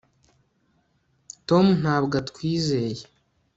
tom ntabwo atwizeye